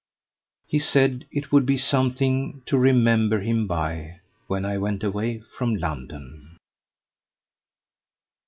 He said it would be something to remember him by when I went away from London."